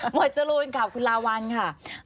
หมดจรุงครับคุณลาวันค่ะ